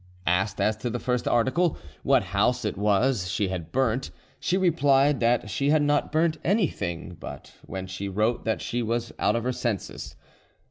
Asked as to the first article, what house it was she had burnt, she replied that she had not burnt anything, but when she wrote that she was out of her senses.